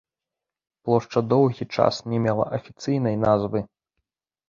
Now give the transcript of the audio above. Плошча доўгі час не мела афіцыйнай назвай.